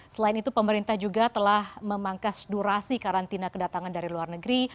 selain itu pemerintah juga telah memangkas durasi karantina kedatangan dari luar negeri